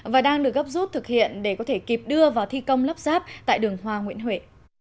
và đang được gấp rút thực hiện để có thể kịp đưa vào thi công lắp ráp tại đường hoa nguyễn huệ